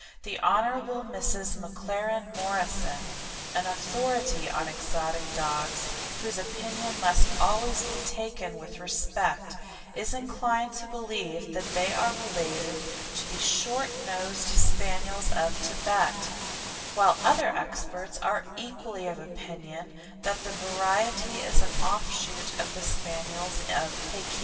The Hon. Mrs. McLaren Morrison, an authority on exotic dogs whose opinion must always be taken with respect, is inclined to the belief that they are related to the short nosed Spaniels of Thibet; while other experts are equally of opinion that the variety is an offshoot from the Spaniels of Pekin.